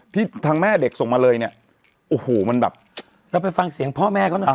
ที่ทางแม่เด็กส่งมาเลยเนี่ยโอ้โหมันแบบเราไปฟังเสียงพ่อแม่เขาหน่อย